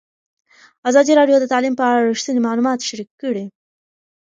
ازادي راډیو د تعلیم په اړه رښتیني معلومات شریک کړي.